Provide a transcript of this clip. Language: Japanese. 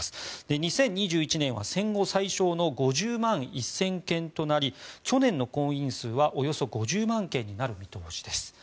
２０２１年は戦後最少の５０万１０００件となり去年の婚姻数はおよそ５０万件になる見通しです。